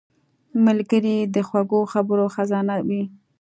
ملګری د خوږو خبرو خزانه وي